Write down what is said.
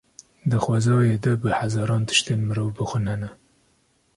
Di xwezayê de bi hezaran tiştên mirov bixwin hene.